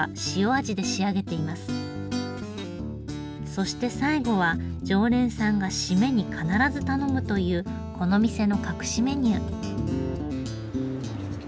そして最後は常連さんが締めに必ず頼むというこの店の隠しメニュー。